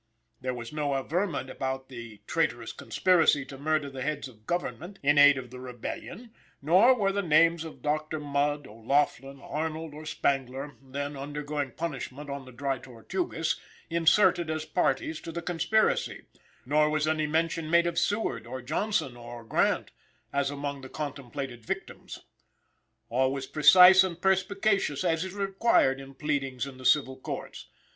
There was no averment about the traitorous conspiracy to murder the heads of Government, in aid of the rebellion; nor were the names of Dr. Mudd, O'Laughlin, Arnold or Spangler, then undergoing punishment on the Dry Tortugas, inserted as parties to the conspiracy; nor was any mention made of Seward or Johnson or Grant, as among the contemplated victims. All was precise and perspicacious, as is required in pleadings in the civil courts.